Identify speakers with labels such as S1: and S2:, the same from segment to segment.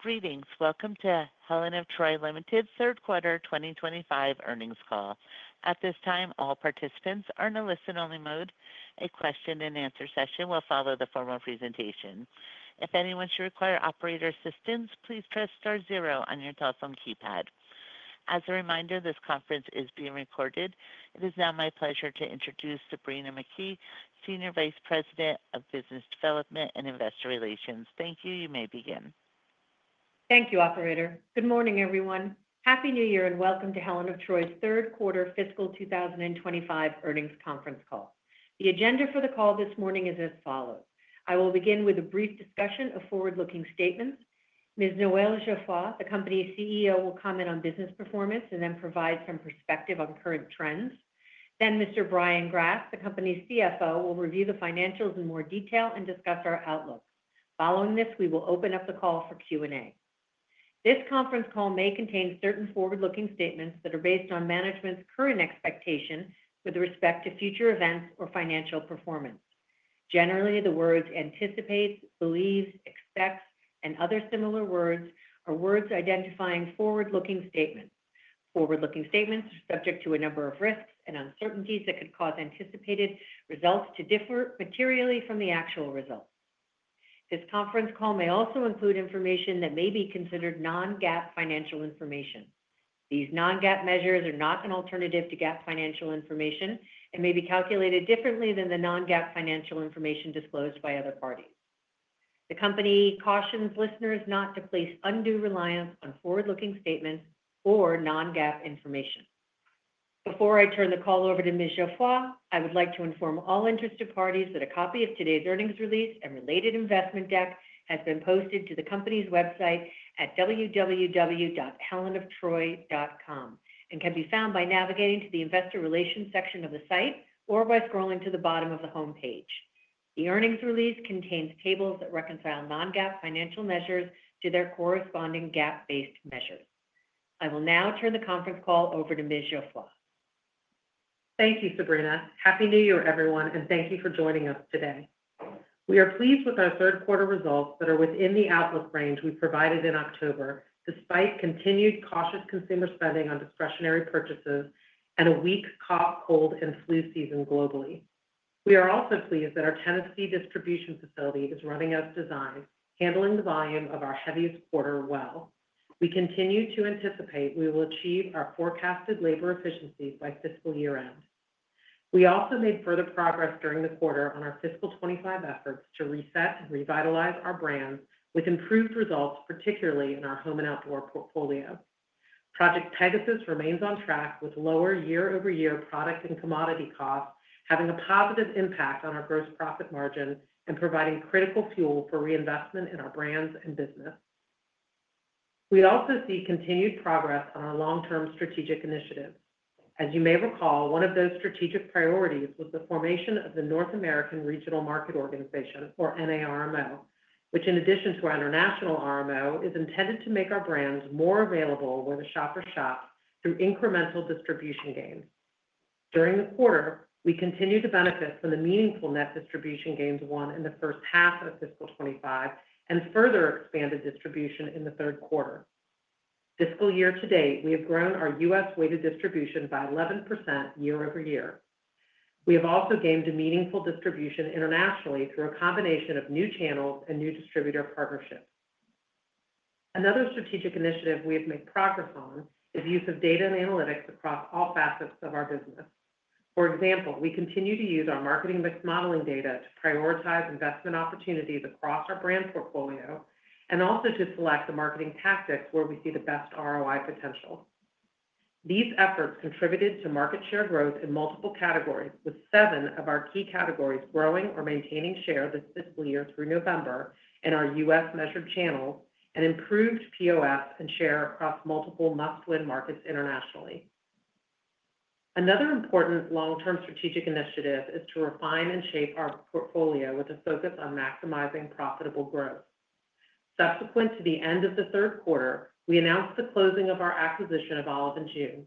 S1: Greetings. Welcome to Helen of Troy Limited, third quarter 2025 earnings call. At this time, all participants are in a listen-only mode. A question-and-answer session will follow the formal presentation. If anyone should require operator assistance, please press star zero on your telephone keypad. As a reminder, this conference is being recorded. It is now my pleasure to introduce Sabrina McKee, Senior Vice President of Business Development and Investor Relations. Thank you. You may begin.
S2: Thank you, Operator. Good morning, everyone. Happy New Year and welcome to Helen of Troy's third quarter fiscal 2025 earnings conference call. The agenda for the call this morning is as follows. I will begin with a brief discussion of forward-looking statements. Ms. Noel Geoffroy, the company's CEO, will comment on business performance and then provide some perspective on current trends. Then Mr. Brian Grass, the company's CFO, will review the financials in more detail and discuss our outlook. Following this, we will open up the call for Q&A. This conference call may contain certain forward-looking statements that are based on management's current expectation with respect to future events or financial performance. Generally, the words anticipates, believes, expects, and other similar words are words identifying forward-looking statements. Forward-looking statements are subject to a number of risks and uncertainties that could cause anticipated results to differ materially from the actual results. This conference call may also include information that may be considered non-GAAP financial information. These non-GAAP measures are not an alternative to GAAP financial information and may be calculated differently than the non-GAAP financial information disclosed by other parties. The company cautions listeners not to place undue reliance on forward-looking statements or non-GAAP information. Before I turn the call over to Ms. Geoffroy, I would like to inform all interested parties that a copy of today's earnings release and related investment deck has been posted to the company's website at www.helenoftroy.com and can be found by navigating to the Investor Relations section of the site or by scrolling to the bottom of the homepage. The earnings release contains tables that reconcile non-GAAP financial measures to their corresponding GAAP-based measures. I will now turn the conference call over to Ms. Geoffroy.
S3: Thank you, Sabrina. Happy New Year, everyone, and thank you for joining us today. We are pleased with our third quarter results that are within the outlook range we provided in October, despite continued cautious consumer spending on discretionary purchases and a weak cough, cold, and flu season globally. We are also pleased that our Tennessee distribution facility is running as designed, handling the volume of our heaviest quarter well. We continue to anticipate we will achieve our forecasted labor efficiencies by fiscal year-end. We also made further progress during the quarter on our fiscal 2025 efforts to reset and revitalize our brand with improved results, particularly in our home and outdoor portfolio. Project Pegasus remains on track with lower year-over-year product and commodity costs, having a positive impact on our gross profit margin and providing critical fuel for reinvestment in our brands and business. We also see continued progress on our long-term strategic initiatives. As you may recall, one of those strategic priorities was the formation of the North American Regional Market Organization, or NARMO, which, in addition to our international RMO, is intended to make our brands more available where the shopper shops through incremental distribution gains. During the quarter, we continue to benefit from the meaningful net distribution gains won in the first half of fiscal 2025 and further expanded distribution in the third quarter. Fiscal year to date, we have grown our U.S.-weighted distribution by 11% year over year. We have also gained a meaningful distribution internationally through a combination of new channels and new distributor partnerships. Another strategic initiative we have made progress on is the use of data and analytics across all facets of our business. For example, we continue to use our Marketing Mix Modeling data to prioritize investment opportunities across our brand portfolio and also to select the marketing tactics where we see the best ROI potential. These efforts contributed to market share growth in multiple categories, with seven of our key categories growing or maintaining share this fiscal year through November in our U.S.-measured channels and improved POS and share across multiple must-win markets internationally. Another important long-term strategic initiative is to refine and shape our portfolio with a focus on maximizing profitable growth. Subsequent to the end of the third quarter, we announced the closing of our acquisition of Olive & June.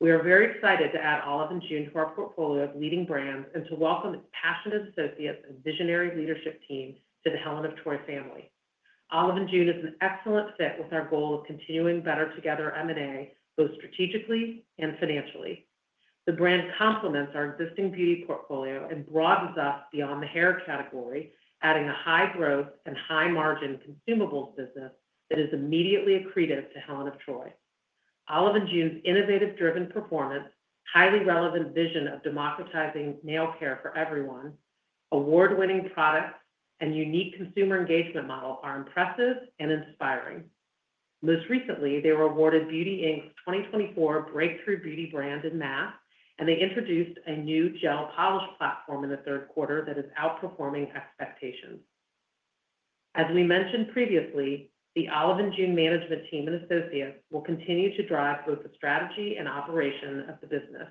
S3: We are very excited to add Olive & June to our portfolio of leading brands and to welcome its passionate associates and visionary leadership team to the Helen of Troy family. Olive & June is an excellent fit with our goal of continuing Better Together M&A both strategically and financially. The brand complements our existing beauty portfolio and broadens us beyond the hair category, adding a high-growth and high-margin consumables business that is immediately accretive to Helen of Troy. Olive & June's innovative-driven performance, highly relevant vision of democratizing nail care for everyone, award-winning products, and unique consumer engagement model are impressive and inspiring. Most recently, they were awarded Beauty Inc.'s 2024 Breakthrough Beauty Brand in Mass, and they introduced a new gel polish platform in the third quarter that is outperforming expectations. As we mentioned previously, the Olive & June management team and associates will continue to drive both the strategy and operation of the business,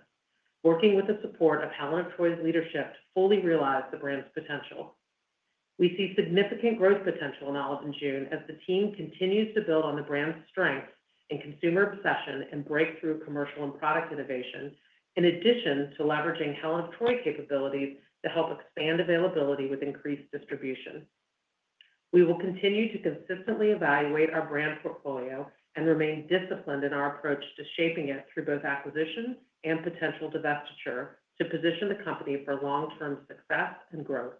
S3: working with the support of Helen of Troy's leadership to fully realize the brand's potential. We see significant growth potential in Olive & June as the team continues to build on the brand's strengths in consumer obsession and breakthrough commercial and product innovation, in addition to leveraging Helen of Troy capabilities to help expand availability with increased distribution. We will continue to consistently evaluate our brand portfolio and remain disciplined in our approach to shaping it through both acquisitions and potential divestiture to position the company for long-term success and growth.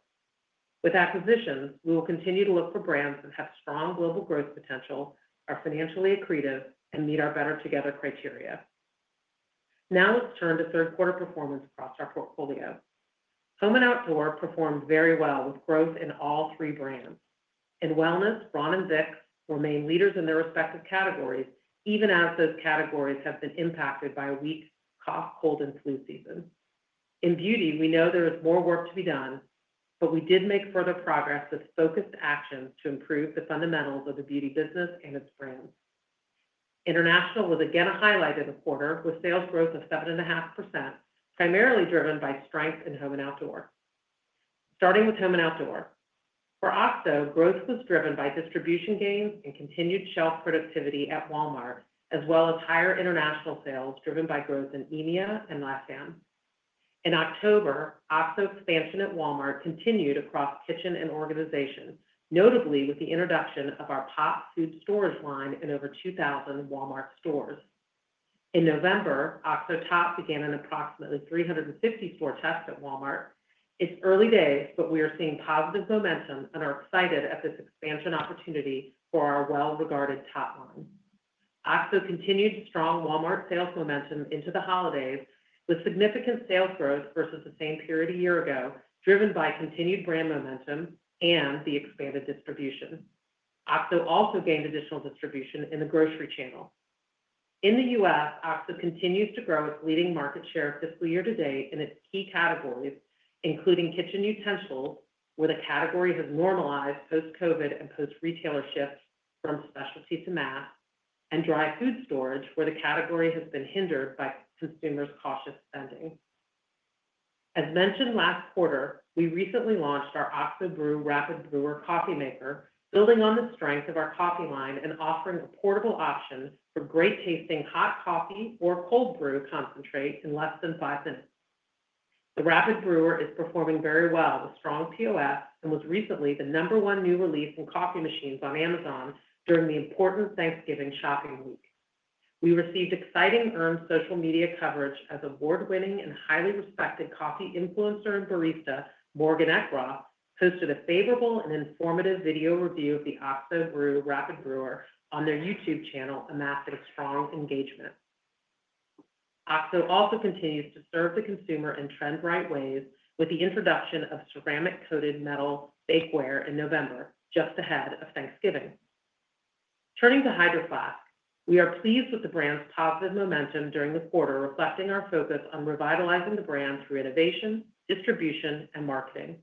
S3: With acquisitions, we will continue to look for brands that have strong global growth potential, are financially accretive, and meet our better-together criteria. Now let's turn to third-quarter performance across our portfolio. Home and outdoor performed very well with growth in all three brands. In wellness, Braun and Vicks remain leaders in their respective categories, even as those categories have been impacted by a weak cough, cold, and flu season. In beauty, we know there is more work to be done, but we did make further progress with focused actions to improve the fundamentals of the beauty business and its brands. International was again a highlight of the quarter, with sales growth of 7.5%, primarily driven by strength in home and outdoor. Starting with home and outdoor. For OXO, growth was driven by distribution gains and continued shelf productivity at Walmart, as well as higher international sales driven by growth in EMEA and LATAM. In October, OXO expansion at Walmart continued across kitchen and organization, notably with the introduction of our POP food storage line in over 2,000 Walmart stores. In November, OXO Tot began an approximately 350-store test at Walmart. It's early days, but we are seeing positive momentum and are excited at this expansion opportunity for our well-regarded Tot line. OXO continued strong Walmart sales momentum into the holidays with significant sales growth versus the same period a year ago, driven by continued brand momentum and the expanded distribution. OXO also gained additional distribution in the grocery channel. In the U.S., OXO continues to grow its leading market share fiscal year to date in its key categories, including kitchen utensils, where the category has normalized post-COVID and post-retailer shift from specialty to mass, and dry food storage, where the category has been hindered by consumers' cautious spending. As mentioned last quarter, we recently launched our OXO Brew Rapid Brewer coffee maker, building on the strength of our coffee line and offering a portable option for great-tasting hot coffee or cold brew concentrate in less than five minutes. The Rapid Brewer is performing very well with strong POS and was recently the number one new release in coffee machines on Amazon during the important Thanksgiving shopping week. We received exciting earned social media coverage as award-winning and highly respected coffee influencer and barista Morgan Eckroth posted a favorable and informative video review of the OXO Brew Rapid Brewer on their YouTube channel, amassing strong engagement. OXO also continues to serve the consumer in trend-right ways with the introduction of ceramic-coated metal bakeware in November, just ahead of Thanksgiving. Turning to Hydro Flask, we are pleased with the brand's positive momentum during the quarter, reflecting our focus on revitalizing the brand through innovation, distribution, and marketing.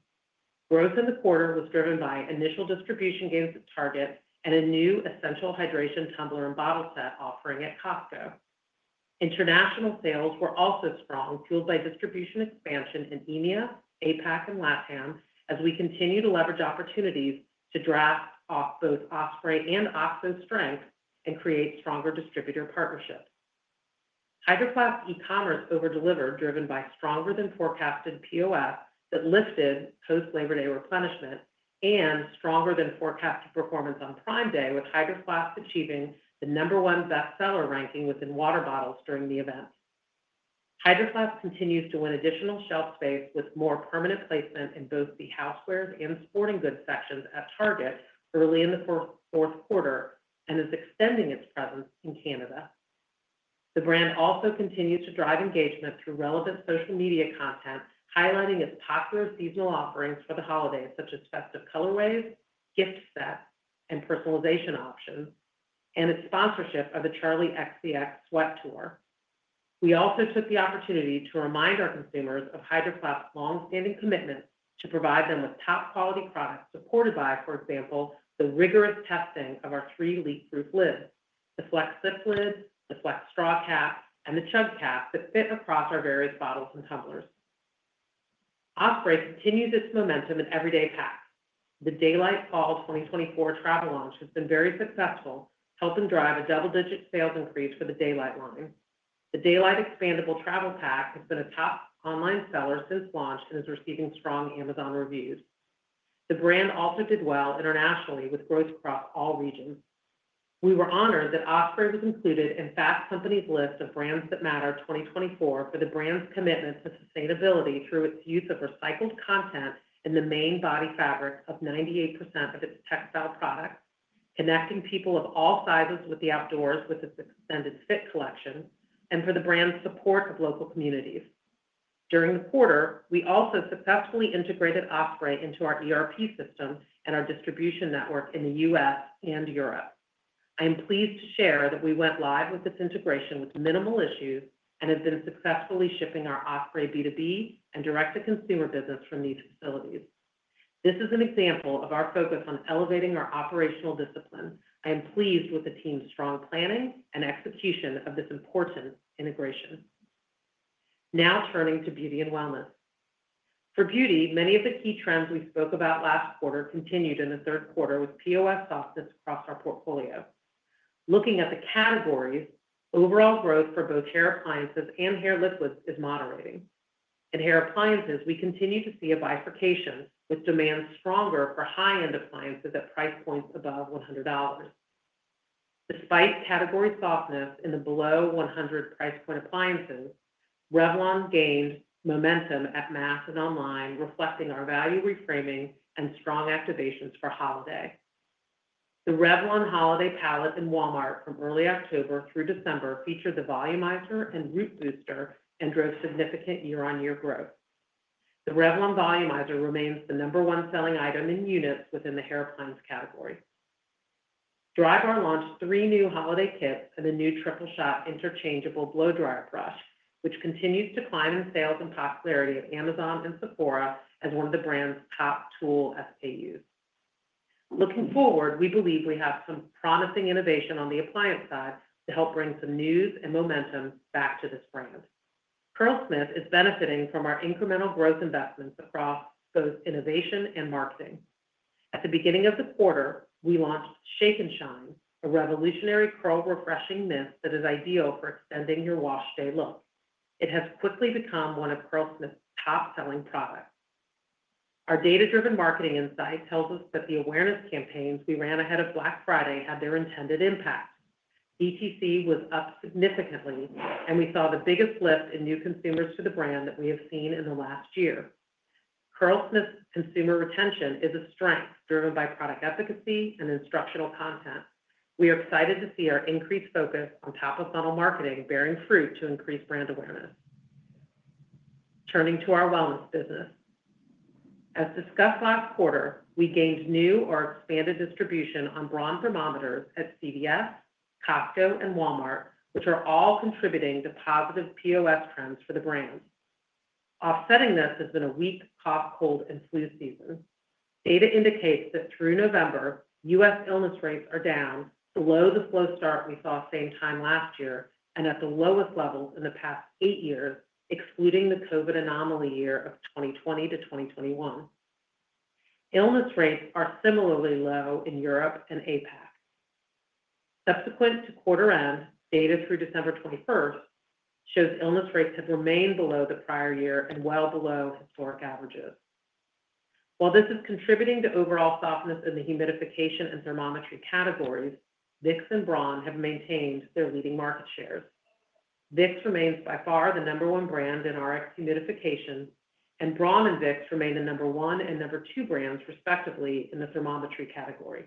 S3: Growth in the quarter was driven by initial distribution gains at Target and a new Essential Hydration tumbler and bottle set offering at Costco. International sales were also strong, fueled by distribution expansion in EMEA, APAC, and LATAM as we continue to leverage opportunities to draft off both Osprey and OXO strength and create stronger distributor partnerships. Hydro Flask e-commerce overdelivered, driven by stronger-than-forecasted POS that lifted post-Labor Day replenishment and stronger-than-forecasted performance on Prime Day, with Hydro Flask achieving the number one bestseller ranking within water bottles during the event. Hydro Flask continues to win additional shelf space with more permanent placement in both the housewares and sporting goods sections at Target early in the fourth quarter and is extending its presence in Canada. The brand also continues to drive engagement through relevant social media content, highlighting its popular seasonal offerings for the holidays, such as festive colorways, gift sets, and personalization options, and its sponsorship of the Charli XCX Sweat Tour. We also took the opportunity to remind our consumers of Hydro Flask's long-standing commitment to provide them with top-quality products supported by, for example, the rigorous testing of our three leak-proof lids: the Flex Sip Lid, the Flex Straw Cap, and the Chug Cap that fit across our various bottles and tumblers. Osprey continues its momentum in everyday packs. The Daylite Fall 2024 Travel Launch has been very successful, helping drive a double-digit sales increase for the Daylite line. The Daylite Expandable Travel Pack has been a top online seller since launch and is receiving strong Amazon reviews. The brand also did well internationally with growth across all regions. We were honored that Osprey was included in Fast Company's list of Brands That Matter 2024 for the brand's commitment to sustainability through its use of recycled content in the main body fabric of 98% of its textile products, connecting people of all sizes with the outdoors with its Extended Fit collection, and for the brand's support of local communities. During the quarter, we also successfully integrated Osprey into our ERP system and our distribution network in the U.S. and Europe. I am pleased to share that we went live with this integration with minimal issues and have been successfully shipping our Osprey B2B and direct-to-consumer business from these facilities. This is an example of our focus on elevating our operational discipline. I am pleased with the team's strong planning and execution of this important integration. Now turning to beauty and wellness. For beauty, many of the key trends we spoke about last quarter continued in the third quarter with POS softness across our portfolio. Looking at the categories, overall growth for both hair appliances and hair liquids is moderating. In hair appliances, we continue to see a bifurcation with demand stronger for high-end appliances at price points above $100. Despite category softness in the below $100 price point appliances, Revlon gained momentum at mass and online, reflecting our value reframing and strong activations for holiday. The Revlon holiday palette in Walmart from early October through December featured the Volumizer and Root Booster and drove significant year-on-year growth. The Revlon Volumizer remains the number one selling item in units within the hair appliance category. Drybar launched three new holiday kits and a new Triple Shot interchangeable blow-dryer brush, which continues to climb in sales and popularity at Amazon and Sephora as one of the brand's top tool SKUs. Looking forward, we believe we have some promising innovation on the appliance side to help bring some news and momentum back to this brand. Curlsmith is benefiting from our incremental growth investments across both innovation and marketing. At the beginning of the quarter, we launched Shake & Shine, a revolutionary curl refreshing mist that is ideal for extending your wash day look. It has quickly become one of Curlsmith's top-selling products. Our data-driven marketing insight tells us that the awareness campaigns we ran ahead of Black Friday had their intended impact. DTC was up significantly, and we saw the biggest lift in new consumers to the brand that we have seen in the last year. Curlsmith's consumer retention is a strength driven by product efficacy and instructional content. We are excited to see our increased focus on top-of-funnel marketing bearing fruit to increase brand awareness. Turning to our wellness business. As discussed last quarter, we gained new or expanded distribution on Braun thermometers at CVS, Costco, and Walmart, which are all contributing to positive POS trends for the brand. Offsetting this has been a weak cough, cold, and flu season. Data indicates that through November, U.S. illness rates are down below the slow start we saw same time last year and at the lowest levels in the past eight years, excluding the COVID anomaly year of 2020 to 2021. Illness rates are similarly low in Europe and APAC. Subsequent to quarter-end data through December 21st shows illness rates have remained below the prior year and well below historic averages. While this is contributing to overall softness in the humidification and thermometry categories, Vicks and Braun have maintained their leading market shares. Vicks remains by far the number one brand in Rx humidification, and Braun and Vicks remain the number one and number two brands, respectively, in the thermometry category.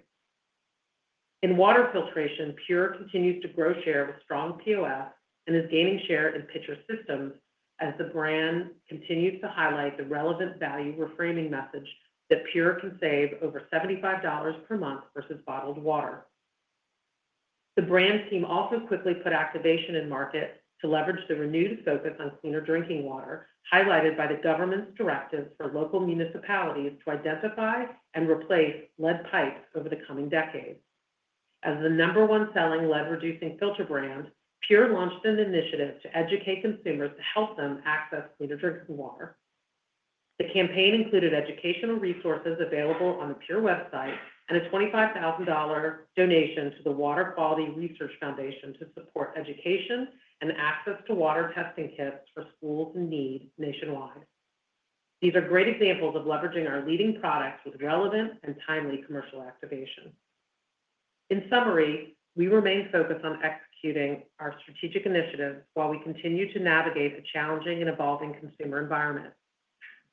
S3: In water filtration, PUR continues to grow share with strong POS and is gaining share in pitcher systems as the brand continues to highlight the relevant value reframing message that PUR can save over $75 per month versus bottled water. The brand team also quickly put activation in market to leverage the renewed focus on cleaner drinking water, highlighted by the government's directive for local municipalities to identify and replace lead pipes over the coming decades. As the number one selling lead-reducing filter brand, PUR launched an initiative to educate consumers to help them access cleaner drinking water. The campaign included educational resources available on the PUR website and a $25,000 donation to the Water Quality Research Foundation to support education and access to water testing kits for schools in need nationwide. These are great examples of leveraging our leading products with relevant and timely commercial activation. In summary, we remain focused on executing our strategic initiatives while we continue to navigate a challenging and evolving consumer environment.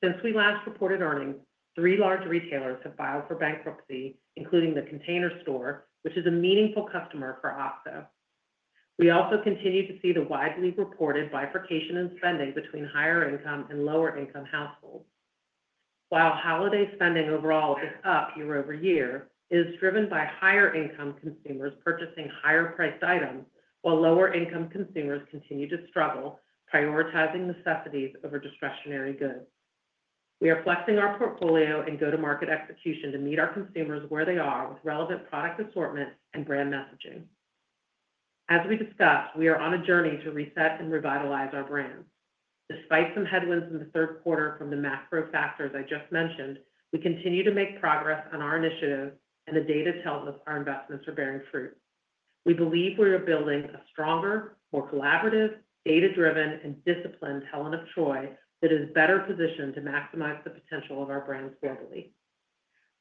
S3: Since we last reported earnings, three large retailers have filed for bankruptcy, including the Container Store, which is a meaningful customer for OXO. We also continue to see the widely reported bifurcation in spending between higher-income and lower-income households. While holiday spending overall is up year over year, it is driven by higher-income consumers purchasing higher-priced items, while lower-income consumers continue to struggle, prioritizing necessities over discretionary goods. We are flexing our portfolio and go-to-market execution to meet our consumers where they are with relevant product assortments and brand messaging. As we discussed, we are on a journey to reset and revitalize our brand. Despite some headwinds in the third quarter from the macro factors I just mentioned, we continue to make progress on our initiative, and the data tells us our investments are bearing fruit. We believe we are building a stronger, more collaborative, data-driven, and disciplined Helen of Troy that is better positioned to maximize the potential of our brands globally.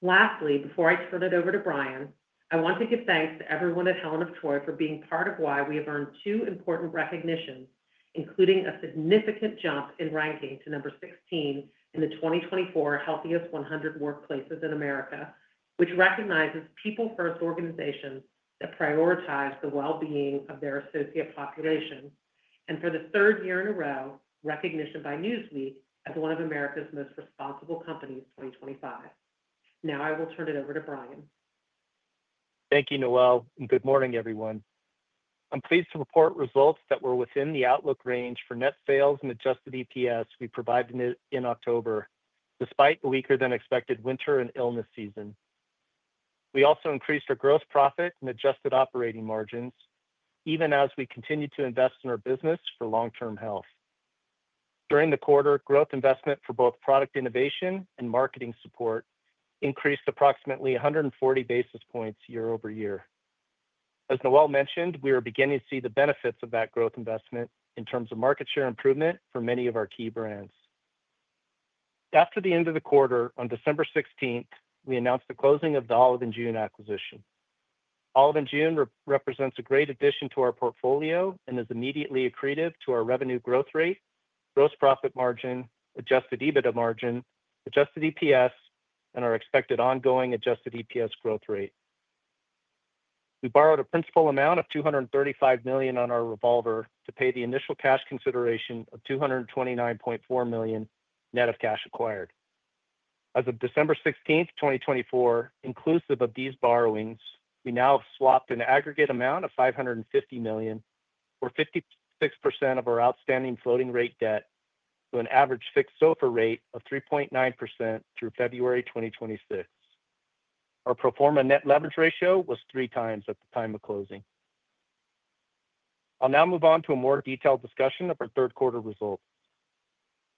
S3: Lastly, before I turn it over to Brian, I want to give thanks to everyone at Helen of Troy for being part of why we have earned two important recognitions, including a significant jump in ranking to number 16 in the 2024 Healthiest 100 Workplaces in America, which recognizes people-first organizations that prioritize the well-being of their associate population, and for the third year in a row, recognition by Newsweek as one of America's Most Responsible Companies 2025. Now I will turn it over to Brian.
S4: Thank you, Noel, and good morning, everyone. I'm pleased to report results that were within the outlook range for net sales and Adjusted EPS we provided in October, despite the weaker-than-expected winter and illness season. We also increased our gross profit and adjusted operating margins, even as we continue to invest in our business for long-term health. During the quarter, growth investment for both product innovation and marketing support increased approximately 140 basis points year-over-year. As Noel mentioned, we are beginning to see the benefits of that growth investment in terms of market share improvement for many of our key brands. After the end of the quarter, on December 16th, we announced the closing of the Olive & June acquisition. Olive & June represents a great addition to our portfolio and is immediately accretive to our revenue growth rate, gross profit margin, Adjusted EBITDA margin, adjusted EPS, and our expected ongoing adjusted EPS growth rate. We borrowed a principal amount of $235 million on our revolver to pay the initial cash consideration of $229.4 million net of cash acquired. As of December 16th, 2024, inclusive of these borrowings, we now have swapped an aggregate amount of $550 million, or 56% of our outstanding floating-rate debt, to an average fixed SOFR rate of 3.9% through February 2026. Our pro forma net leverage ratio was three times at the time of closing. I'll now move on to a more detailed discussion of our third-quarter results.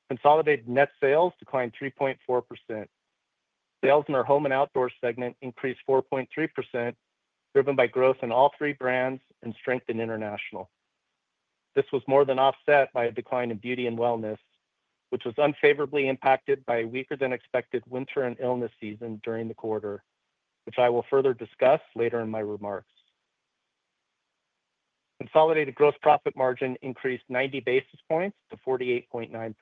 S4: Consolidated net sales declined 3.4%. Sales in our home and outdoor segment increased 4.3%, driven by growth in all three brands and strength in international. This was more than offset by a decline in beauty and wellness, which was unfavorably impacted by a weaker-than-expected winter and illness season during the quarter, which I will further discuss later in my remarks. Consolidated gross profit margin increased 90 basis points to 48.9%.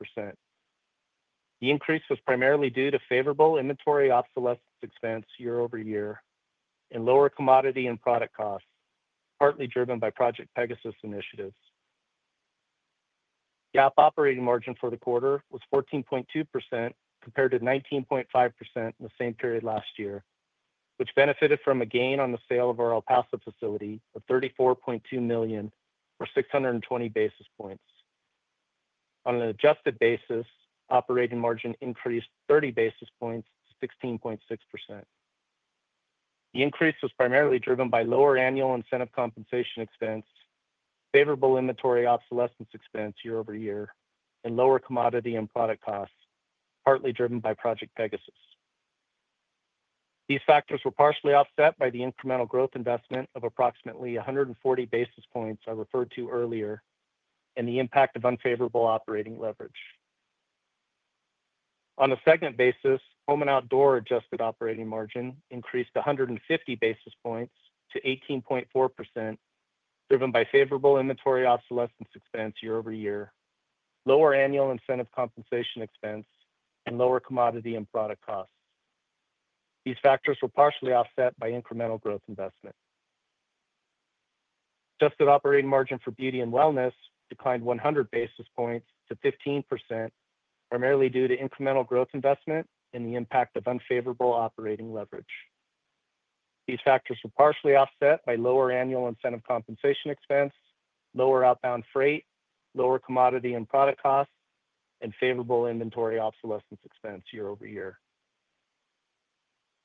S4: The increase was primarily due to favorable inventory obsolescence expense year over year and lower commodity and product costs, partly driven by Project Pegasus initiatives. GAAP operating margin for the quarter was 14.2% compared to 19.5% in the same period last year, which benefited from a gain on the sale of our El Paso facility of $34.2 million, or 620 basis points. On an adjusted basis, operating margin increased 30 basis points to 16.6%. The increase was primarily driven by lower annual incentive compensation expense, favorable inventory obsolescence expense year over year, and lower commodity and product costs, partly driven by Project Pegasus. These factors were partially offset by the incremental growth investment of approximately 140 basis points I referred to earlier and the impact of unfavorable operating leverage. On a segment basis, home and outdoor adjusted operating margin increased 150 basis points to 18.4%, driven by favorable inventory obsolescence expense year over year, lower annual incentive compensation expense, and lower commodity and product costs. These factors were partially offset by incremental growth investment. Adjusted operating margin for beauty and wellness declined 100 basis points to 15%, primarily due to incremental growth investment and the impact of unfavorable operating leverage. These factors were partially offset by lower annual incentive compensation expense, lower outbound freight, lower commodity and product costs, and favorable inventory obsolescence expense year over year.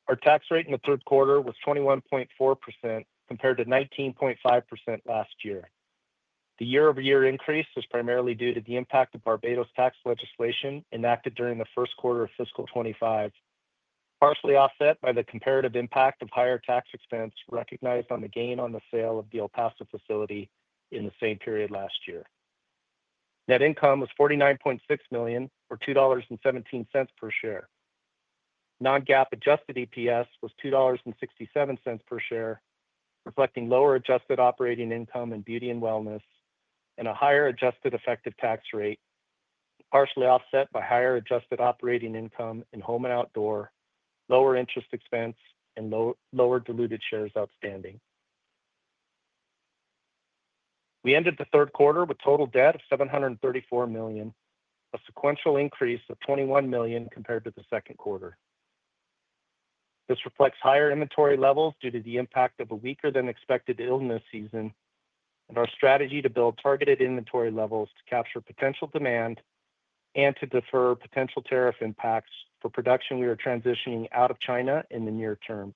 S4: Our tax rate in the third quarter was 21.4% compared to 19.5% last year. The year-over-year increase was primarily due to the impact of Barbados tax legislation enacted during the first quarter of fiscal 2025, partially offset by the comparative impact of higher tax expense recognized on the gain on the sale of the El Paso facility in the same period last year. Net income was $49.6 million, or $2.17 per share. Non-GAAP adjusted EPS was $2.67 per share, reflecting lower adjusted operating income in beauty and wellness and a higher adjusted effective tax rate, partially offset by higher adjusted operating income in home and outdoor, lower interest expense, and lower diluted shares outstanding. We ended the third quarter with total debt of $734 million, a sequential increase of $21 million compared to the second quarter. This reflects higher inventory levels due to the impact of a weaker-than-expected illness season and our strategy to build targeted inventory levels to capture potential demand and to defer potential tariff impacts for production we are transitioning out of China in the near term.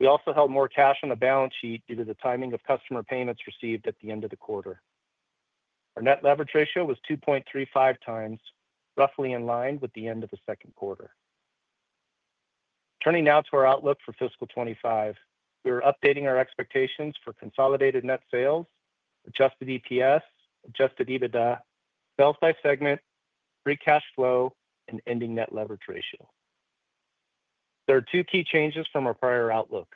S4: We also held more cash on the balance sheet due to the timing of customer payments received at the end of the quarter. Our net leverage ratio was 2.35 times, roughly in line with the end of the second quarter. Turning now to our outlook for fiscal 2025, we are updating our expectations for consolidated net sales, Adjusted EPS, Adjusted EBITDA, sales by segment, free cash flow, and ending net leverage ratio. There are two key changes from our prior outlook.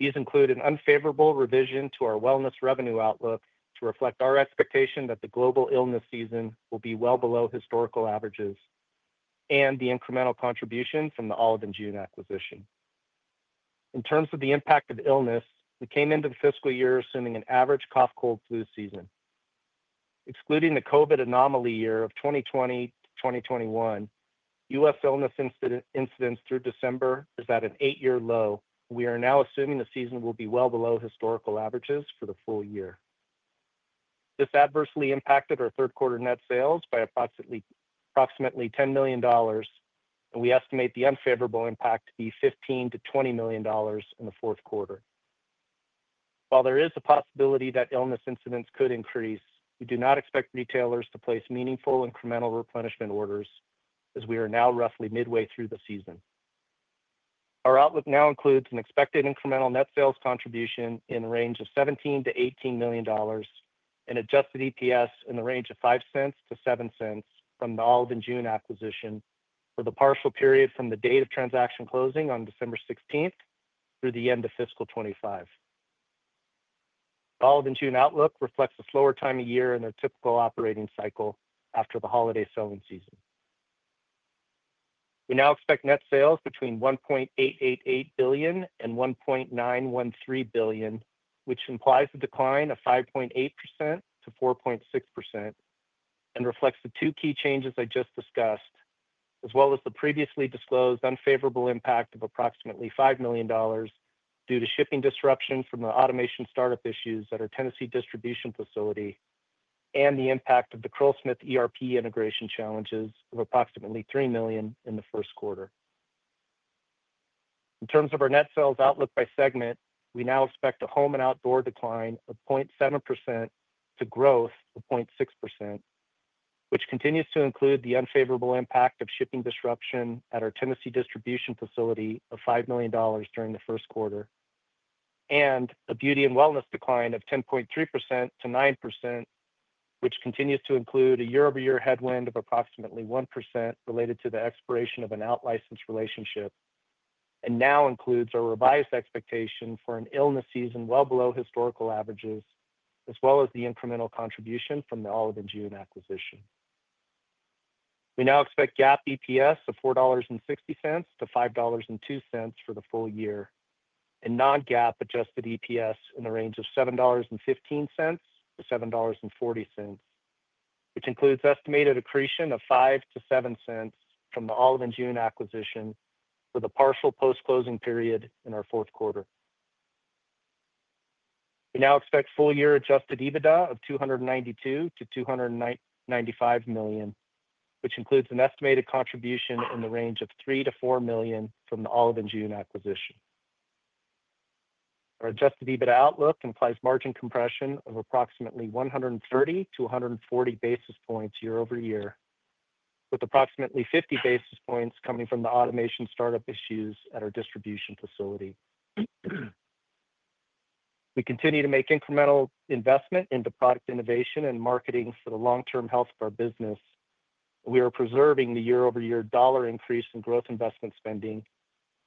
S4: These include an unfavorable revision to our wellness revenue outlook to reflect our expectation that the global illness season will be well below historical averages and the incremental contribution from the Olive & June acquisition. In terms of the impact of illness, we came into the fiscal year assuming an average cough, cold, flu season. Excluding the COVID anomaly year of 2020 to 2021, U.S. illness incidents through December is at an eight-year low, and we are now assuming the season will be well below historical averages for the full year. This adversely impacted our third-quarter net sales by approximately $10 million, and we estimate the unfavorable impact to be $15-$20 million in the fourth quarter. While there is a possibility that illness incidents could increase, we do not expect retailers to place meaningful incremental replenishment orders as we are now roughly midway through the season. Our outlook now includes an expected incremental net sales contribution in the range of $17-$18 million and adjusted EPS in the range of $0.05-$0.07 from the Olive & June acquisition for the partial period from the date of transaction closing on December 16th through the end of fiscal 2025. The Olive & June outlook reflects a slower time of year in their typical operating cycle after the holiday selling season. We now expect net sales between $1.888 billion and $1.913 billion, which implies a decline of 5.8% to 4.6% and reflects the two key changes I just discussed, as well as the previously disclosed unfavorable impact of approximately $5 million due to shipping disruptions from the automation startup issues at our Tennessee distribution facility and the impact of the Curlsmith ERP integration challenges of approximately $3 million in the first quarter. In terms of our net sales outlook by segment, we now expect a home and outdoor decline of 0.7% to growth of 0.6%, which continues to include the unfavorable impact of shipping disruption at our Tennessee distribution facility of $5 million during the first quarter and a beauty and wellness decline of 10.3% to 9%, which continues to include a year-over-year headwind of approximately 1% related to the expiration of an out-licensed relationship and now includes our revised expectation for an illness season well below historical averages, as well as the incremental contribution from the Olive & June acquisition. We now expect GAAP EPS of $4.60-$5.02 for the full year and non-GAAP adjusted EPS in the range of $7.15-$7.40, which includes estimated accretion of $0.05-$0.07 from the Olive & June acquisition for the partial post-closing period in our fourth quarter. We now expect full-year Adjusted EBITDA of $292-$295 million, which includes an estimated contribution in the range of $3-$4 million from the Olive & June acquisition. Our Adjusted EBITDA outlook implies margin compression of approximately 130-140 basis points year-over-year, with approximately 50 basis points coming from the automation startup issues at our distribution facility. We continue to make incremental investment into product innovation and marketing for the long-term health of our business. We are preserving the year-over-year dollar increase in growth investment spending,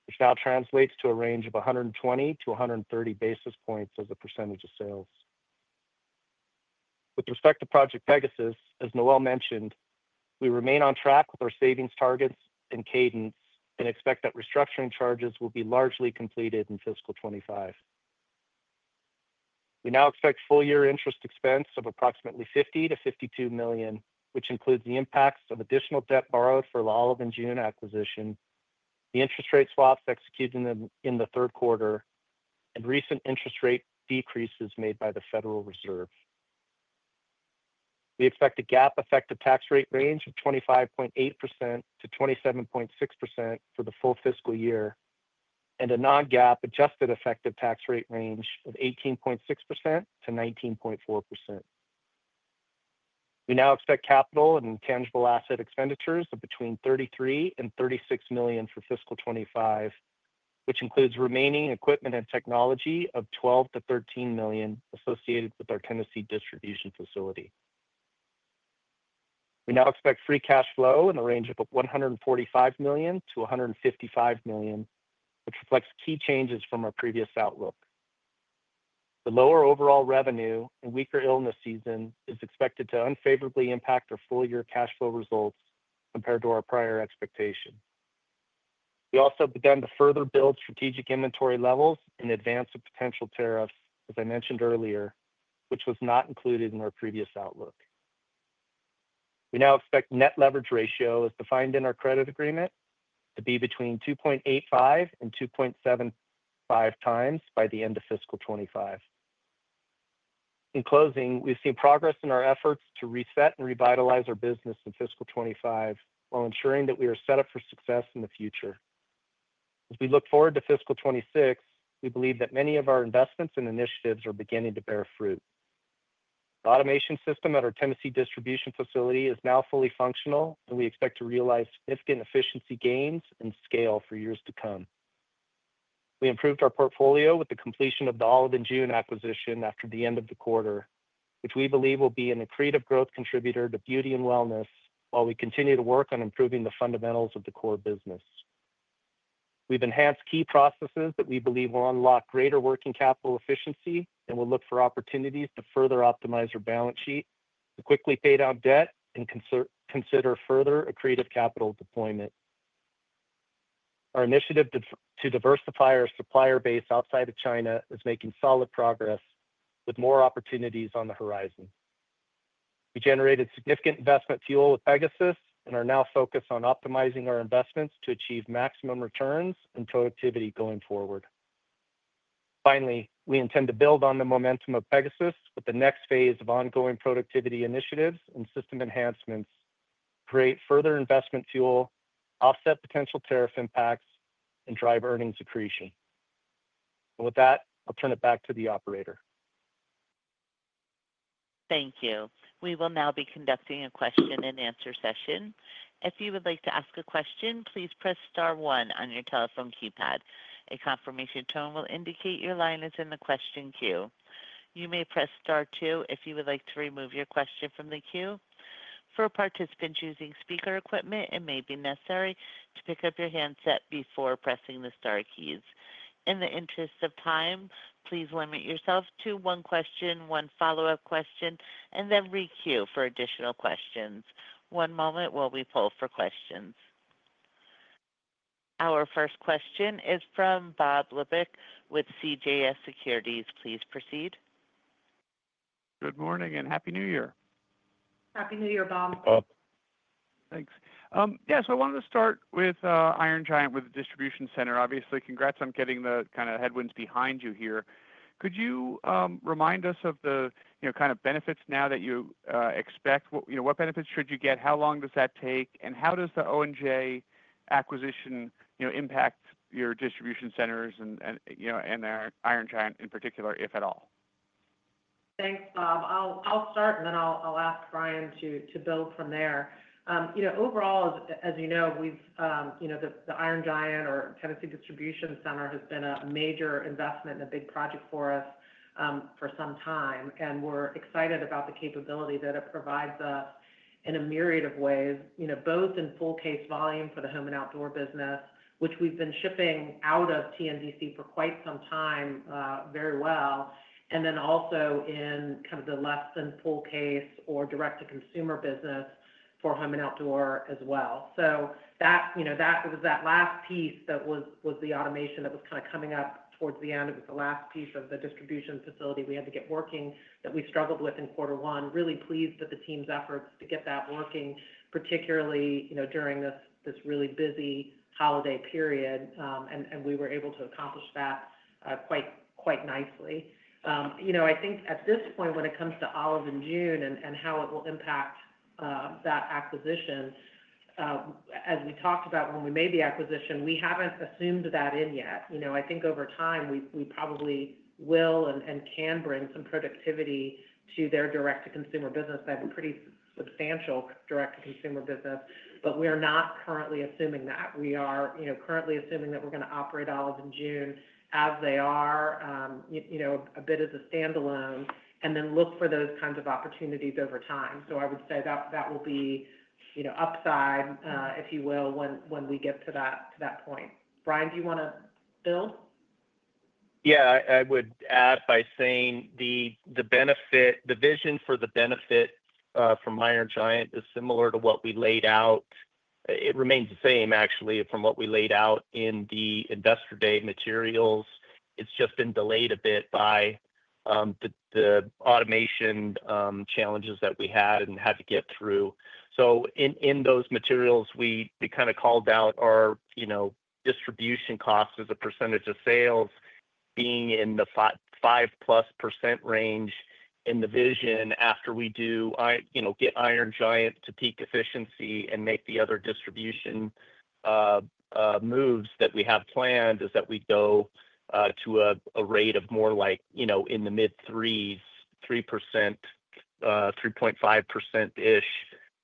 S4: which now translates to a range of 120-130 basis points as a percentage of sales. With respect to Project Pegasus, as Noel mentioned, we remain on track with our savings targets and cadence and expect that restructuring charges will be largely completed in fiscal 2025. We now expect full-year interest expense of approximately $50-$52 million, which includes the impacts of additional debt borrowed for the Olive & June acquisition, the interest rate swaps executed in the third quarter, and recent interest rate decreases made by the Federal Reserve. We expect a GAAP effective tax rate range of 25.8%-27.6% for the full fiscal year and a non-GAAP adjusted effective tax rate range of 18.6%-19.4%. We now expect capital and intangible asset expenditures of between $33-$36 million for fiscal 2025, which includes remaining equipment and technology of $12-$13 million associated with our Tennessee distribution facility. We now expect free cash flow in the range of $145-$155 million, which reflects key changes from our previous outlook. The lower overall revenue and weaker illness season is expected to unfavorably impact our full-year cash flow results compared to our prior expectation. We also began to further build strategic inventory levels in advance of potential tariffs, as I mentioned earlier, which was not included in our previous outlook. We now expect net leverage ratio, as defined in our credit agreement, to be between 2.85 and 2.75 times by the end of fiscal 25. In closing, we've seen progress in our efforts to reset and revitalize our business in fiscal 25 while ensuring that we are set up for success in the future. As we look forward to fiscal 26, we believe that many of our investments and initiatives are beginning to bear fruit. The automation system at our Tennessee distribution facility is now fully functional, and we expect to realize significant efficiency gains and scale for years to come. We improved our portfolio with the completion of the Olive & June acquisition after the end of the quarter, which we believe will be an accretive growth contributor to beauty and wellness while we continue to work on improving the fundamentals of the core business. We've enhanced key processes that we believe will unlock greater working capital efficiency and will look for opportunities to further optimize our balance sheet, to quickly pay down debt, and consider further accretive capital deployment. Our initiative to diversify our supplier base outside of China is making solid progress with more opportunities on the horizon. We generated significant investment fuel with Pegasus and are now focused on optimizing our investments to achieve maximum returns and productivity going forward. Finally, we intend to build on the momentum of Pegasus with the next phase of ongoing productivity initiatives and system enhancements to create further investment fuel, offset potential tariff impacts, and drive earnings accretion. And with that, I'll turn it back to the operator.
S1: Thank you. We will now be conducting a question-and-answer session. If you would like to ask a question, please press Star 1 on your telephone keypad. A confirmation tone will indicate your line is in the question queue. You may press Star 2 if you would like to remove your question from the queue. For participants using speaker equipment, it may be necessary to pick up your handset before pressing the Star keys. In the interest of time, please limit yourself to one question, one follow-up question, and then re-queue for additional questions. One moment while we pull for questions. Our first question is from Bob Labick with CJS Securities. Please proceed.
S5: Good morning and happy New Year.
S3: Happy New Year, Bob.
S5: Thanks. Yeah, so I wanted to start with Iron Giant with the distribution center. Obviously, congrats on getting the kind of headwinds behind you here. Could you remind us of the kind of benefits now that you expect? What benefits should you get? How long does that take? And how does the Olive & June acquisition impact your distribution centers and Iron Giant in particular, if at all?
S3: Thanks, Bob. I'll start, and then I'll ask Brian to build from there. Overall, as you know, the Iron Giant or Tennessee Distribution Center has been a major investment and a big project for us for some time, and we're excited about the capability that it provides us in a myriad of ways, both in full-case volume for the home and outdoor business, which we've been shipping out of TNDC for quite some time very well, and then also in kind of the less-than-full-case or direct-to-consumer business for home and outdoor as well. So that was that last piece that was the automation that was kind of coming up towards the end. It was the last piece of the distribution facility we had to get working that we struggled with in quarter one. Really pleased with the team's efforts to get that working, particularly during this really busy holiday period, and we were able to accomplish that quite nicely. I think at this point, when it comes to Olive & June and how it will impact that acquisition, as we talked about when we made the acquisition, we haven't assumed that in yet. I think over time, we probably will and can bring some productivity to their direct-to-consumer business. They have a pretty substantial direct-to-consumer business, but we are not currently assuming that. We are currently assuming that we're going to operate Olive & June as they are, a bit as a standalone, and then look for those kinds of opportunities over time. So I would say that will be upside, if you will, when we get to that point. Brian, do you want to build?
S4: Yeah, I would add by saying the vision for the benefit from Iron Giant is similar to what we laid out. It remains the same, actually, from what we laid out in the investor day materials. It's just been delayed a bit by the automation challenges that we had and had to get through. So in those materials, we kind of called out our distribution cost as a percentage of sales being in the 5-plus% range in the vision after we do get Iron Giant to peak efficiency and make the other distribution moves that we have planned, is that we go to a rate of more like in the mid-threes, 3%-3.5%-ish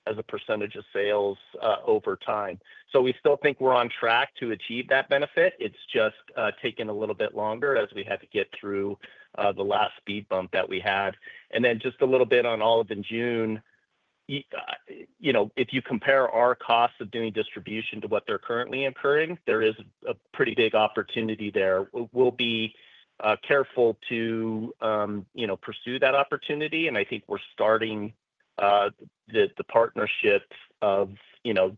S4: as a percentage of sales over time. So we still think we're on track to achieve that benefit. It's just taken a little bit longer as we had to get through the last speed bump that we had. And then just a little bit on Olive & June, if you compare our cost of doing distribution to what they're currently incurring, there is a pretty big opportunity there. We'll be careful to pursue that opportunity, and I think we're starting the partnership of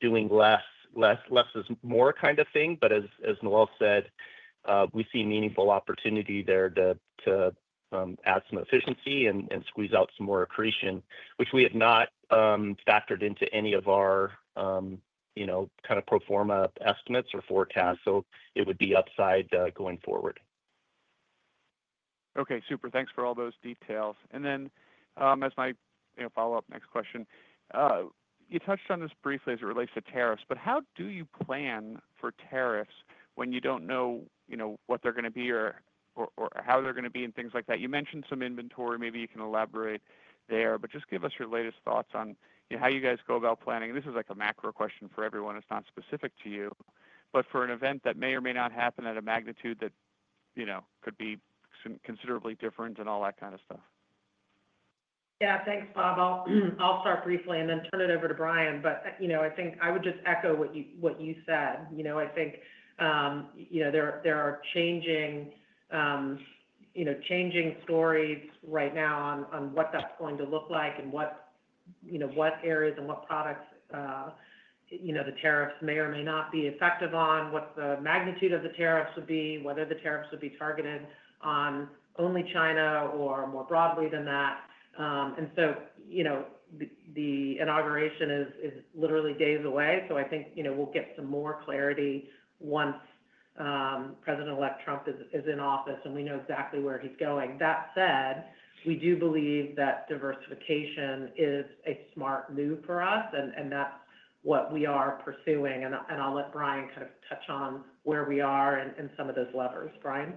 S4: doing less is more kind of thing. But as Noel said, we see meaningful opportunity there to add some efficiency and squeeze out some more accretion, which we have not factored into any of our kind of pro forma estimates or forecasts. So it would be upside going forward.
S5: Okay, super. Thanks for all those details. And then as my follow-up next question, you touched on this briefly as it relates to tariffs, but how do you plan for tariffs when you don't know what they're going to be or how they're going to be and things like that? You mentioned some inventory. Maybe you can elaborate there, but just give us your latest thoughts on how you guys go about planning. This is like a macro question for everyone. It's not specific to you, but for an event that may or may not happen at a magnitude that could be considerably different and all that kind of stuff.
S3: Yeah, thanks, Bob. I'll start briefly and then turn it over to Brian. But I think I would just echo what you said. I think there are changing stories right now on what that's going to look like and what areas and what products the tariffs may or may not be effective on, what the magnitude of the tariffs would be, whether the tariffs would be targeted on only China or more broadly than that, and so the inauguration is literally days away. So I think we'll get some more clarity once President-elect Trump is in office and we know exactly where he's going. That said, we do believe that diversification is a smart move for us, and that's what we are pursuing. And I'll let Brian kind of touch on where we are and some of those levers. Brian?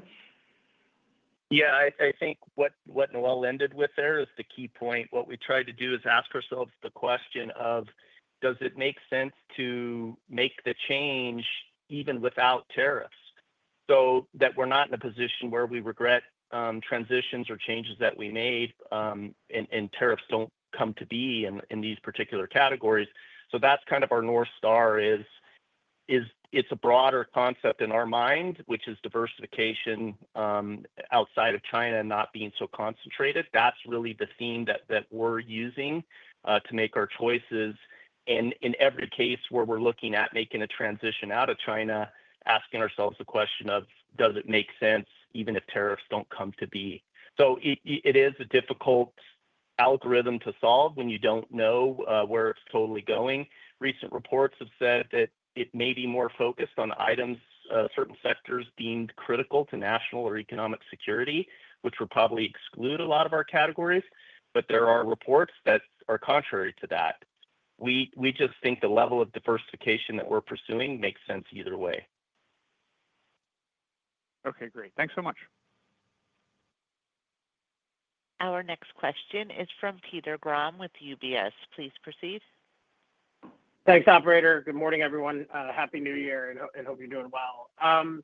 S4: Yeah, I think what Noel ended with there is the key point. What we tried to do is ask ourselves the question of, does it make sense to make the change even without tariffs so that we're not in a position where we regret transitions or changes that we made and tariffs don't come to be in these particular categories? So that's kind of our North Star. It's a broader concept in our mind, which is diversification outside of China not being so concentrated. That's really the theme that we're using to make our choices. And in every case where we're looking at making a transition out of China, asking ourselves the question of, does it make sense even if tariffs don't come to be? So it is a difficult algorithm to solve when you don't know where it's totally going. Recent reports have said that it may be more focused on items, certain sectors deemed critical to national or economic security, which would probably exclude a lot of our categories. But there are reports that are contrary to that. We just think the level of diversification that we're pursuing makes sense either way.
S5: Okay, great. Thanks so much.
S1: Our next question is from Peter Grom with UBS. Please proceed.
S6: Thanks, operator. Good morning, everyone. Happy New Year, and hope you're doing well.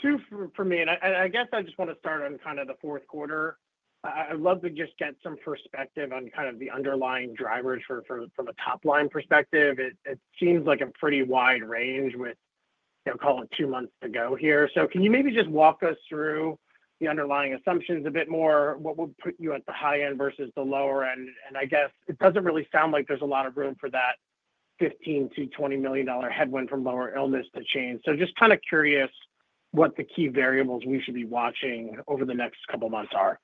S6: Two for me. I guess I just want to start on kind of the fourth quarter. I'd love to just get some perspective on kind of the underlying drivers from a top-line perspective. It seems like a pretty wide range with, call it, two months to go here. So can you maybe just walk us through the underlying assumptions a bit more? What would put you at the high end versus the lower end? And I guess it doesn't really sound like there's a lot of room for that $15-$20 million headwind from lower illness to change. So just kind of curious what the key variables we should be watching over the next couple of months are.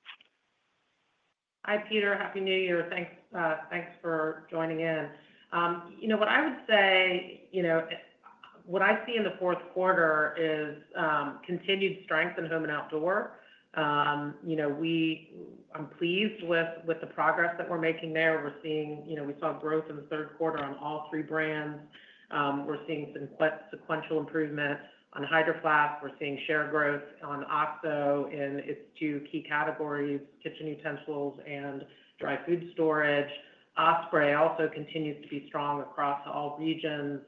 S3: Hi, Peter. Happy New Year. Thanks for joining in. What I would say, what I see in the fourth quarter is continued strength in home and outdoor. I'm pleased with the progress that we're making there. We saw growth in the third quarter on all three brands. We're seeing some sequential improvements on Hydro Flask. We're seeing share growth on OXO in its two key categories, kitchen utensils and dry food storage. Osprey also continues to be strong across all regions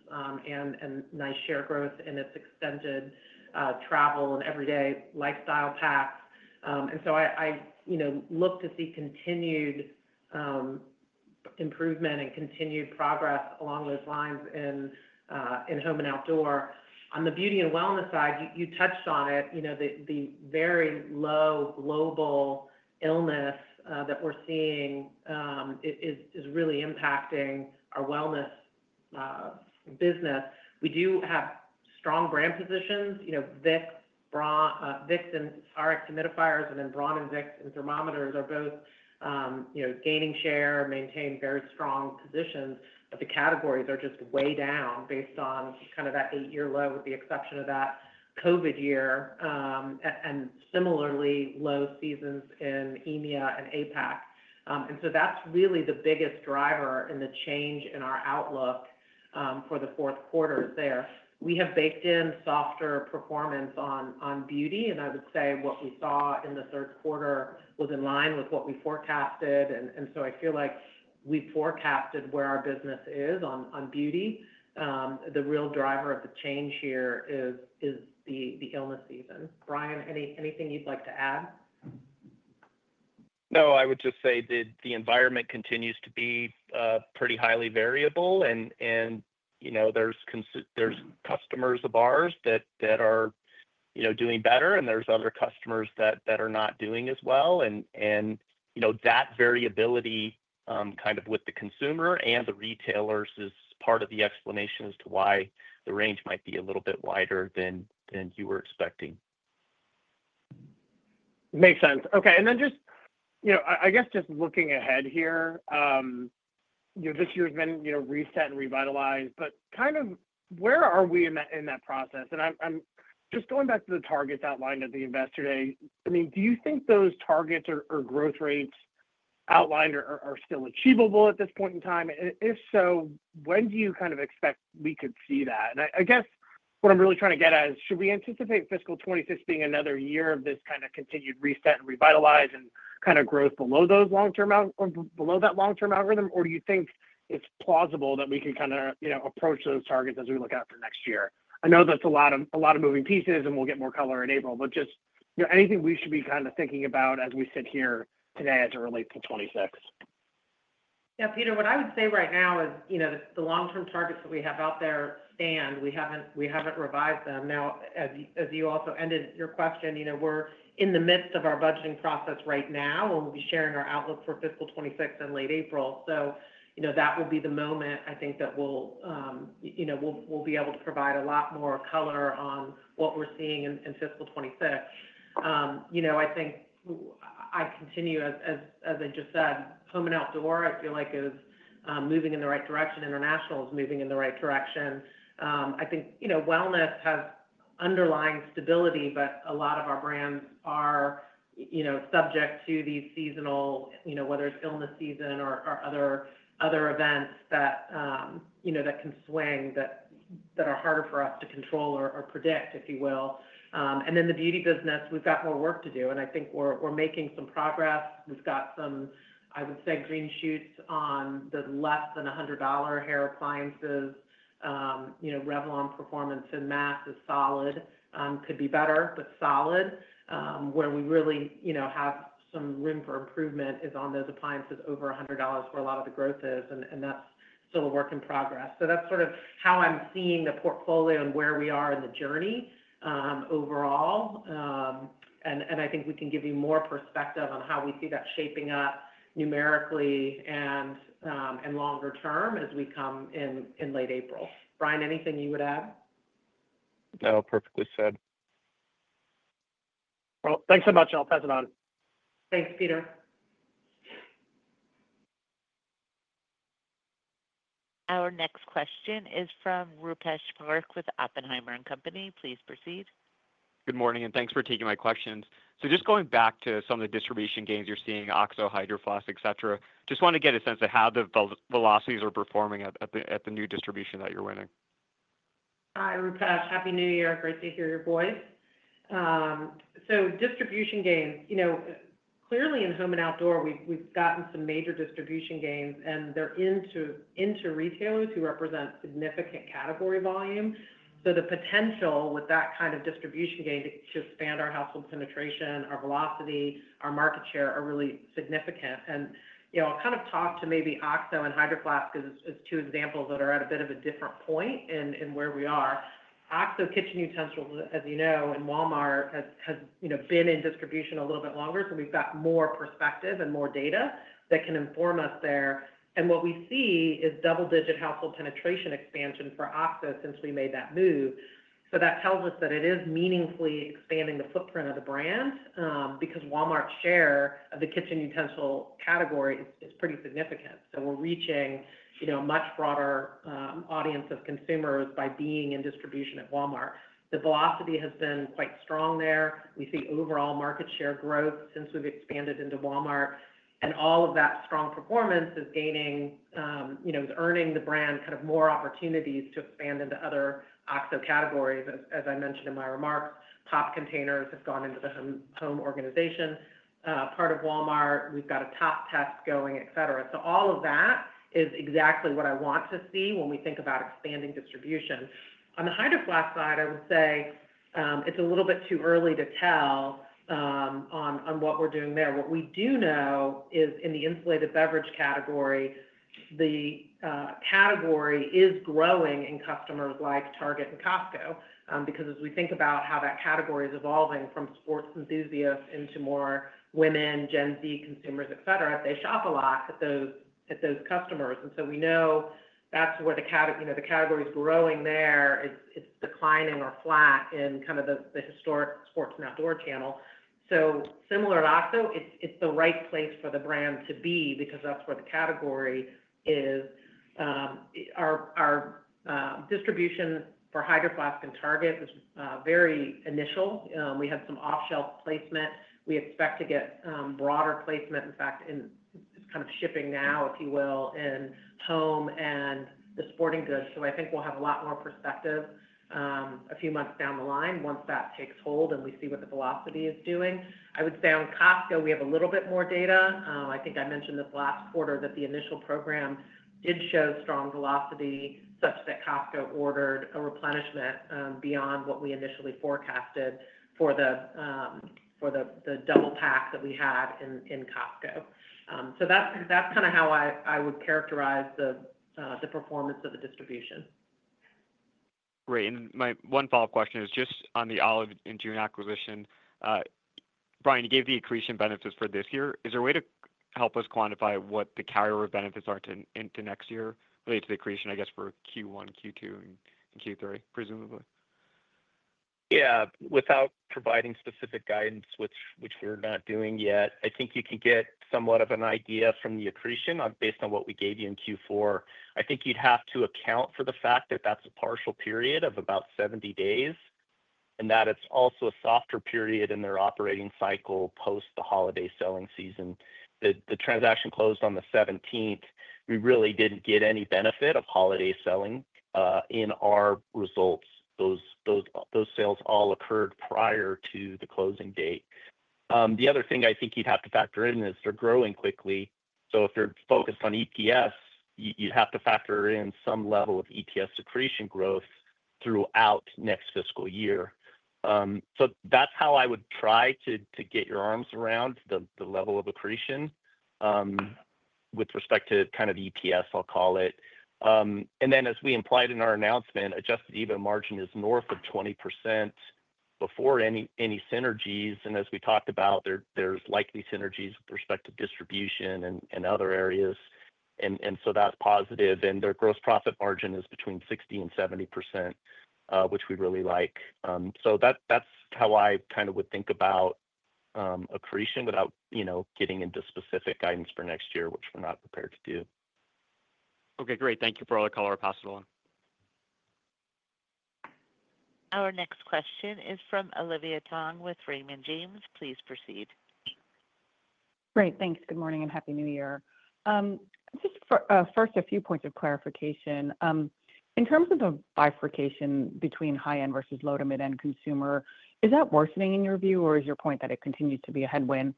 S3: and nice share growth in its extended travel and everyday lifestyle packs. So I look to see continued improvement and continued progress along those lines in home and outdoor. On the beauty and wellness side, you touched on it. The very low global illness that we're seeing is really impacting our wellness business. We do have strong brand positions. Vicks and RX humidifiers and then Braun and Vicks and thermometers are both gaining share, maintain very strong positions, but the categories are just way down based on kind of that eight-year low with the exception of that COVID year and similarly low seasons in EMEA and APAC, and so that's really the biggest driver in the change in our outlook for the fourth quarter there. We have baked in softer performance on beauty, and I would say what we saw in the third quarter was in line with what we forecasted, and so I feel like we forecasted where our business is on beauty. The real driver of the change here is the illness season. Brian, anything you'd like to add?
S4: No, I would just say that the environment continues to be pretty highly variable, and there's customers of ours that are doing better, and there's other customers that are not doing as well. And that variability kind of with the consumer and the retailers is part of the explanation as to why the range might be a little bit wider than you were expecting.
S6: Makes sense. Okay. And then just, I guess, just looking ahead here, this year has been reset and revitalized, but kind of where are we in that process? And I'm just going back to the targets outlined at the investor day. I mean, do you think those targets or growth rates outlined are still achievable at this point in time? And if so, when do you kind of expect we could see that? I guess what I'm really trying to get at is, should we anticipate fiscal 2026 being another year of this kind of continued reset and revitalize and kind of growth below that long-term algorithm, or do you think it's plausible that we can kind of approach those targets as we look out for next year? I know that's a lot of moving pieces, and we'll get more color in April, but just anything we should be kind of thinking about as we sit here today as it relates to 2026?
S3: Yeah, Peter, what I would say right now is the long-term targets that we have out there stand. We haven't revised them. Now, as you also ended your question, we're in the midst of our budgeting process right now, and we'll be sharing our outlook for fiscal 2026 in late April. So that will be the moment, I think, that we'll be able to provide a lot more color on what we're seeing in fiscal 2026. I think I continue, as I just said, home and outdoor, I feel like is moving in the right direction. International is moving in the right direction. I think wellness has underlying stability, but a lot of our brands are subject to these seasonal, whether it's illness season or other events that can swing that are harder for us to control or predict, if you will. And then the beauty business, we've got more work to do, and I think we're making some progress. We've got some, I would say, green shoots on the less than $100 hair appliances. Revlon performance in mass is solid. Could be better, but solid. Where we really have some room for improvement is on those appliances over $100 where a lot of the growth is, and that's still a work in progress. So that's sort of how I'm seeing the portfolio and where we are in the journey overall. And I think we can give you more perspective on how we see that shaping up numerically and longer term as we come in late April. Brian, anything you would add?
S4: No, perfectly said.
S6: Well, thanks so much. I'll pass it on.
S3: Thanks, Peter.
S1: Our next question is from Rupesh Parikh with Oppenheimer & Co. Please proceed.
S7: Good morning, and thanks for taking my questions. So just going back to some of the distribution gains you're seeing, OXO, Hydro Flask, etc., just want to get a sense of how the velocities are performing at the new distribution that you're winning.
S3: Hi, Rupesh. Happy New Year. Great to hear your voice. So distribution gains, clearly in home and outdoor, we've gotten some major distribution gains, and they're into retailers who represent significant category volume. So the potential with that kind of distribution gain to expand our household penetration, our velocity, our market share are really significant. And I'll kind of talk to maybe OXO and Hydro Flask as two examples that are at a bit of a different point in where we are. OXO kitchen utensils, as you know, and Walmart have been in distribution a little bit longer, so we've got more perspective and more data that can inform us there. And what we see is double-digit household penetration expansion for OXO since we made that move. So that tells us that it is meaningfully expanding the footprint of the brand because Walmart's share of the kitchen utensil category is pretty significant. We're reaching a much broader audience of consumers by being in distribution at Walmart. The velocity has been quite strong there. We see overall market share growth since we've expanded into Walmart. And all of that strong performance is earning the brand kind of more opportunities to expand into other OXO categories, as I mentioned in my remarks. POP Containers have gone into the home organization part of Walmart. We've got a Tot test going, etc. So all of that is exactly what I want to see when we think about expanding distribution. On the Hydro Flask side, I would say it's a little bit too early to tell on what we're doing there. What we do know is in the insulated beverage category, the category is growing in customers like Target and Costco because as we think about how that category is evolving from sports enthusiasts into more women, Gen Z consumers, etc., they shop a lot at those customers, and so we know that's where the category is growing there. It's declining or flat in kind of the historic sports and outdoor channel, so similar to OXO, it's the right place for the brand to be because that's where the category is. Our distribution for Hydro Flask and Target is very initial. We had some off-shelf placement. We expect to get broader placement. In fact, it's kind of shipping now, if you will, in home and the sporting goods. So I think we'll have a lot more perspective a few months down the line once that takes hold and we see what the velocity is doing. I would say on Costco, we have a little bit more data. I think I mentioned this last quarter that the initial program did show strong velocity such that Costco ordered a replenishment beyond what we initially forecasted for the double pack that we had in Costco. So that's kind of how I would characterize the performance of the distribution.
S7: Great. And my one follow-up question is just on the Olive & June acquisition. Brian, you gave the accretion benefits for this year. Is there a way to help us quantify what the carryover benefits are into next year related to the accretion, I guess, for Q1, Q2, and Q3, presumably?
S4: Yeah. Without providing specific guidance, which we're not doing yet, I think you can get somewhat of an idea from the accretion based on what we gave you in Q4. I think you'd have to account for the fact that that's a partial period of about 70 days and that it's also a softer period in their operating cycle post the holiday selling season. The transaction closed on the 17th. We really didn't get any benefit of holiday selling in our results. Those sales all occurred prior to the closing date. The other thing I think you'd have to factor in is they're growing quickly. So if you're focused on EPS, you'd have to factor in some level of EPS accretion growth throughout next fiscal year. So that's how I would try to get your arms around the level of accretion with respect to kind of EPS, I'll call it. And then, as we implied in our announcement, Adjusted EBITDA margin is north of 20% before any synergies. And as we talked about, there's likely synergies with respect to distribution and other areas. And so that's positive. And their gross profit margin is between 60% and 70%, which we really like. So that's how I kind of would think about accretion without getting into specific guidance for next year, which we're not prepared to do.
S7: Okay. Great. Thank you for all the color possible.
S1: Our next question is from Olivia Tong with Raymond James. Please proceed.
S8: Great. Thanks. Good morning and Happy New Year. Just first, a few points of clarification. In terms of the bifurcation between high-end versus low-to-mid-end consumer, is that worsening in your view, or is your point that it continues to be a headwind?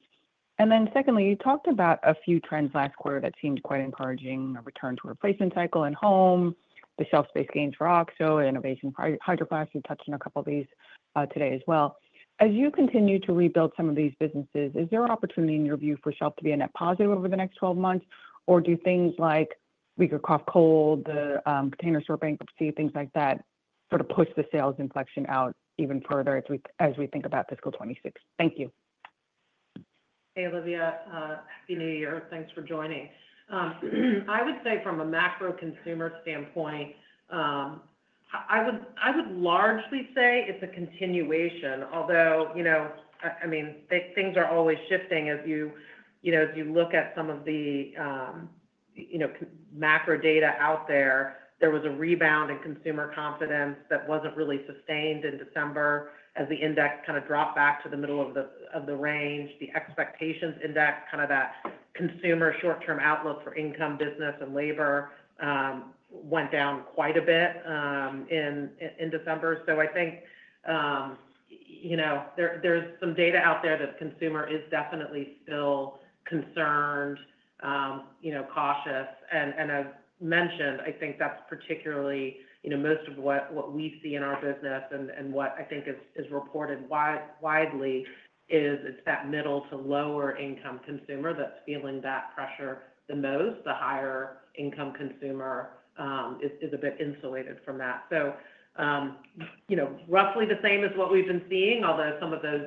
S8: And then secondly, you talked about a few trends last quarter that seemed quite encouraging: a return to replacement cycle in home, the shelf space gains for OXO, innovation for Hydro Flask. We touched on a couple of these today as well. As you continue to rebuild some of these businesses, is there an opportunity in your view for shelf to be a net positive over the next 12 months, or do things like weaker cough cold, The Container Store bankruptcy, things like that sort of push the sales inflection out even further as we think about fiscal 2026? Thank you.
S3: Hey, Olivia. Happy New Year. Thanks for joining. I would say from a macro consumer standpoint, I would largely say it's a continuation, although, I mean, things are always shifting. As you look at some of the macro data out there, there was a rebound in consumer confidence that wasn't really sustained in December as the index kind of dropped back to the middle of the range. The expectations index, kind of that consumer short-term outlook for income, business, and labor, went down quite a bit in December. So I think there's some data out there that the consumer is definitely still concerned, cautious. And as mentioned, I think that's particularly most of what we see in our business and what I think is reported widely is it's that middle to lower-income consumer that's feeling that pressure the most. The higher-income consumer is a bit insulated from that. So roughly the same as what we've been seeing, although some of those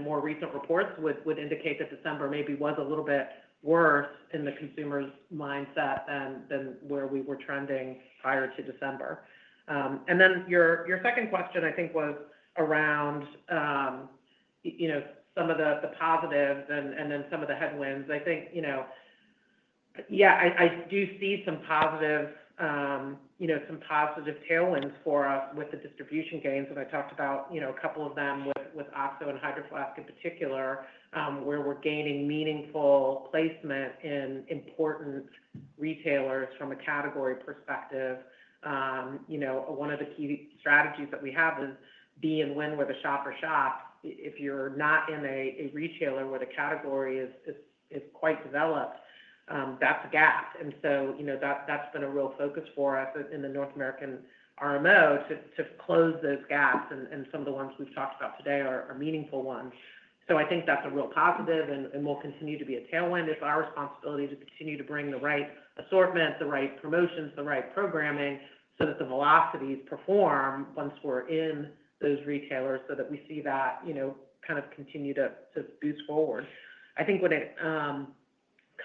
S3: more recent reports would indicate that December maybe was a little bit worse in the consumer's mindset than where we were trending prior to December. And then your second question, I think, was around some of the positives and then some of the headwinds. I think, yeah, I do see some positive tailwinds for us with the distribution gains. And I talked about a couple of them with OXO and Hydro Flask in particular, where we're gaining meaningful placement in important retailers from a category perspective. One of the key strategies that we have is be and win where the shopper shops. If you're not in a retailer where the category is quite developed, that's a gap. And so that's been a real focus for us in the North American RMO to close those gaps. Some of the ones we've talked about today are meaningful ones. So I think that's a real positive, and we'll continue to be a tailwind. It's our responsibility to continue to bring the right assortment, the right promotions, the right programming so that the velocities perform once we're in those retailers so that we see that kind of continue to boost forward. I think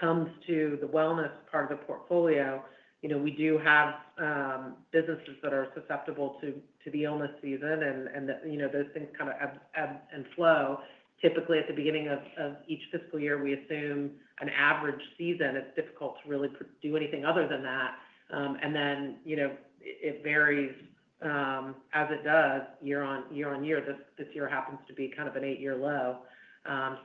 S3: when it comes to the wellness part of the portfolio, we do have businesses that are susceptible to the illness season, and those things kind of ebb and flow. Typically, at the beginning of each fiscal year, we assume an average season. It's difficult to really do anything other than that. And then it varies as it does year on year. This year happens to be kind of an eight-year low.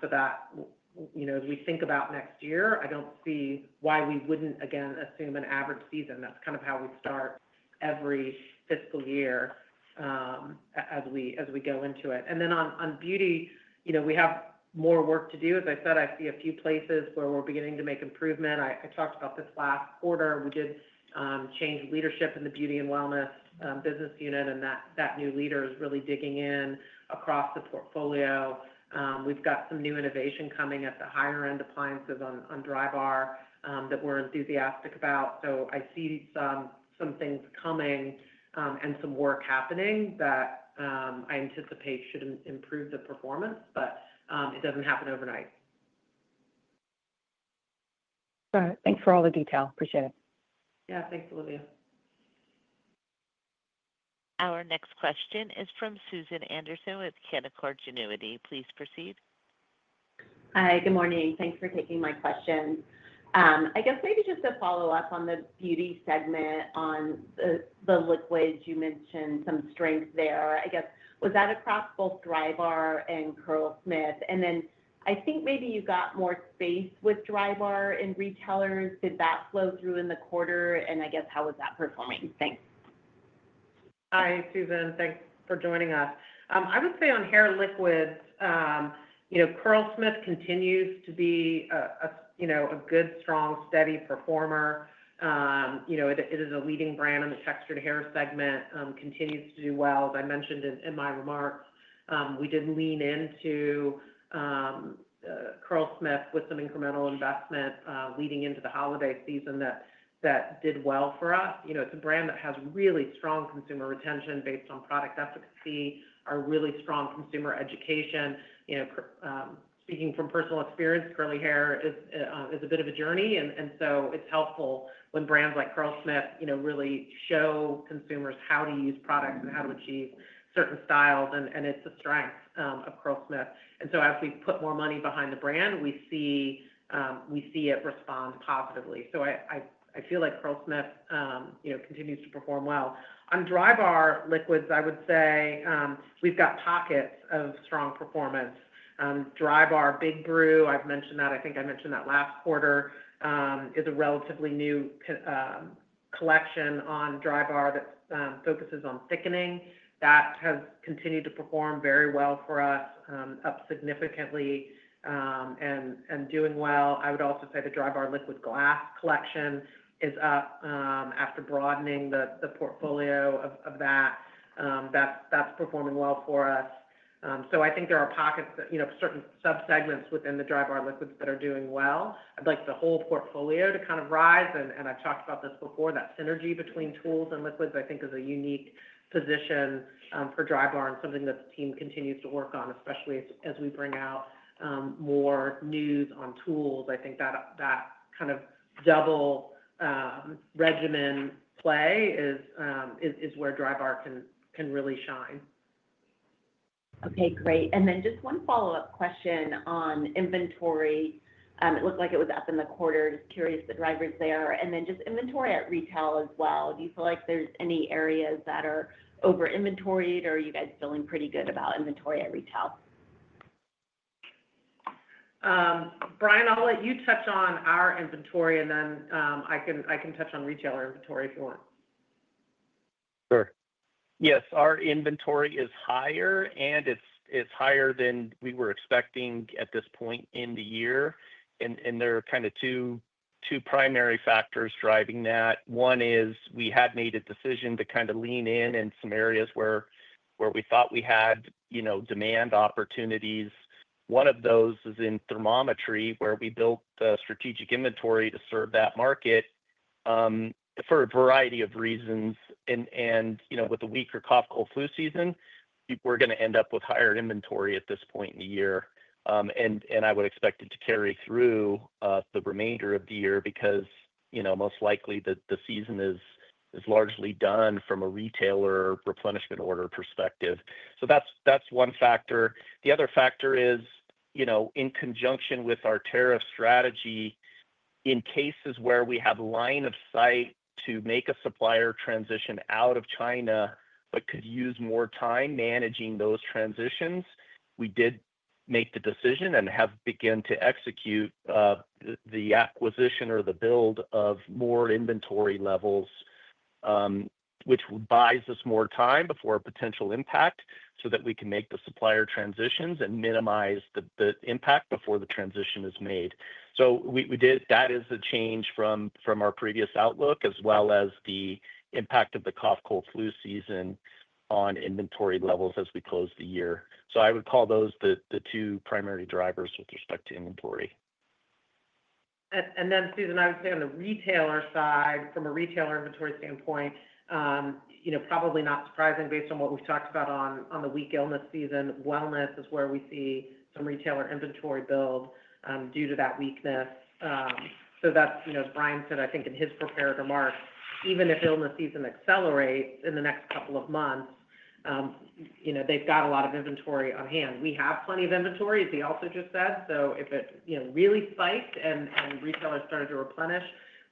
S3: So that as we think about next year, I don't see why we wouldn't, again, assume an average season. That's kind of how we start every fiscal year as we go into it. And then on beauty, we have more work to do. As I said, I see a few places where we're beginning to make improvement. I talked about this last quarter. We did change leadership in the beauty and wellness business unit, and that new leader is really digging in across the portfolio. We've got some new innovation coming at the higher-end appliances on Drybar that we're enthusiastic about. So I see some things coming and some work happening that I anticipate should improve the performance, but it doesn't happen overnight.
S8: All right. Thanks for all the detail. Appreciate it.
S3: Yeah. Thanks, Olivia.
S1: Our next question is from Susan Anderson with Canaccord Genuity. Please proceed.
S9: Hi. Good morning. Thanks for taking my question. I guess maybe just a follow-up on the beauty segment on the liquids. You mentioned some strength there. I guess was that across both Drybar and Curlsmith? And then I think maybe you got more space with Drybar in retailers. Did that flow through in the quarter? And I guess how was that performing? Thanks.
S3: Hi, Susan. Thanks for joining us. I would say on hair liquids, Curlsmith continues to be a good, strong, steady performer. It is a leading brand in the textured hair segment, continues to do well. As I mentioned in my remarks, we did lean into Curlsmith with some incremental investment leading into the holiday season that did well for us. It's a brand that has really strong consumer retention based on product efficacy, our really strong consumer education. Speaking from personal experience, curly hair is a bit of a journey. And so it's helpful when brands like Curlsmith really show consumers how to use products and how to achieve certain styles. And it's a strength of Curlsmith. And so as we put more money behind the brand, we see it respond positively. So I feel like Curlsmith continues to perform well. On Drybar liquids, I would say we've got pockets of strong performance. Drybar Big Swig, I've mentioned that. I think I mentioned that last quarter is a relatively new collection on Drybar that focuses on thickening. That has continued to perform very well for us, up significantly and doing well. I would also say the Drybar Liquid Glass collection is up after broadening the portfolio of that. That's performing well for us. I think there are pockets, certain subsegments within the Drybar liquids that are doing well. I'd like the whole portfolio to kind of rise. And I've talked about this before. That synergy between tools and liquids, I think, is a unique position for Drybar and something that the team continues to work on, especially as we bring out more new tools. I think that kind of double regimen play is where Drybar can really shine.
S9: Okay. Great. And then just one follow-up question on inventory. It looked like it was up in the quarter. Just curious the drivers there. And then just inventory at retail as well. Do you feel like there's any areas that are over-inventoried, or are you guys feeling pretty good about inventory at retail?
S3: Brian, I'll let you touch on our inventory, and then I can touch on retailer inventory if you want.
S4: Sure. Yes. Our inventory is higher, and it's higher than we were expecting at this point in the year. And there are kind of two primary factors driving that. One is we had made a decision to kind of lean in in some areas where we thought we had demand opportunities. One of those is in thermometry, where we built the strategic inventory to serve that market for a variety of reasons. And with a weaker cough cold flu season, we're going to end up with higher inventory at this point in the year. And I would expect it to carry through the remainder of the year because most likely the season is largely done from a retailer replenishment order perspective. So that's one factor. The other factor is, in conjunction with our tariff strategy, in cases where we have a line of sight to make a supplier transition out of China but could use more time managing those transitions, we did make the decision and have begun to execute the acquisition or the build of more inventory levels, which buys us more time before a potential impact so that we can make the supplier transitions and minimize the impact before the transition is made. So that is a change from our previous outlook as well as the impact of the cough cold flu season on inventory levels as we close the year. So I would call those the two primary drivers with respect to inventory.
S3: And then, Susan, I would say on the retailer side, from a retailer inventory standpoint, probably not surprising based on what we've talked about on the weak illness season. Wellness is where we see some retailer inventory build due to that weakness. So that's, as Brian said, I think, in his prepared remarks. Even if illness season accelerates in the next couple of months, they've got a lot of inventory on hand. We have plenty of inventory, as he also just said. So if it really spiked and retailers started to replenish,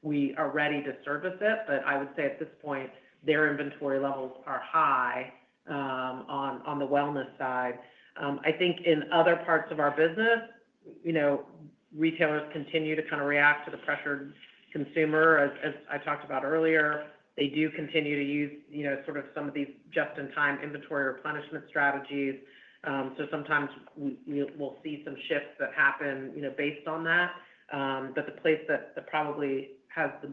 S3: we are ready to service it. But I would say at this point, their inventory levels are high on the wellness side. I think in other parts of our business, retailers continue to kind of react to the pressured consumer. As I talked about earlier, they do continue to use sort of some of these just-in-time inventory replenishment strategies. So sometimes we'll see some shifts that happen based on that. But the place that probably has the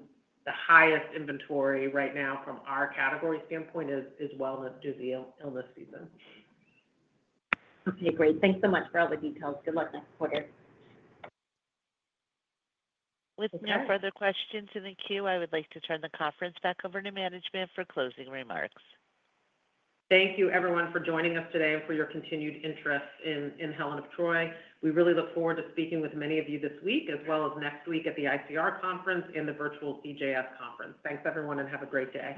S3: highest inventory right now from our category standpoint is wellness due to the illness season.
S9: Okay. Great. Thanks so much for all the details. Good luck next quarter.
S1: With no further questions in the queue, I would like to turn the conference back over to management for closing remarks.
S3: Thank you, everyone, for joining us today and for your continued interest in Helen of Troy. We really look forward to speaking with many of you this week as well as next week at the ICR Conference and the virtual CJS Conference. Thanks, everyone, and have a great day.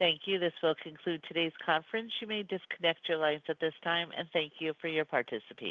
S1: Thank you. This will conclude today's conference. You may disconnect your lines at this time, and thank you for your participation.